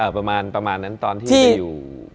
ประมาณนั้นตอนที่ไปอยู่